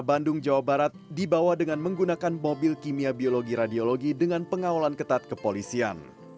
bandung jawa barat dibawa dengan menggunakan mobil kimia biologi radiologi dengan pengawalan ketat kepolisian